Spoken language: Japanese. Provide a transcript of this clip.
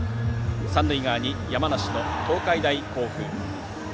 三塁側に山梨の東海大甲府。